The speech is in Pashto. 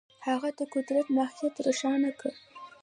هغه د قدرت ماهیت روښانه کړ.